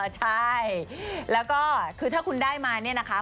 ใช่แล้วก็คือถ้าคุณได้มาเนี่ยนะคะ